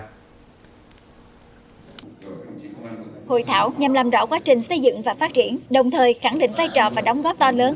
hội thảo nhằm làm rõ quá trình xây dựng và phát triển đồng thời khẳng định vai trò và đóng góp to lớn